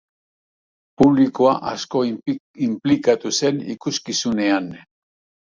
Publikoa asko inplikatu zen ikuskizunean.